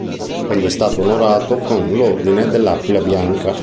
Egli è stato onorato con l'Ordine dell'Aquila Bianca.